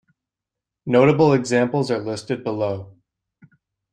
Notable examples are listed below.